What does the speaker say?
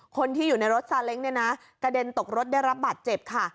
คนที่อยู่ในรถซาเล้งเนี่ยนะกระเด็นตกรถได้รับบาดเจ็บค่ะ